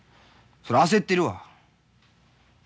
そら焦ってるわ。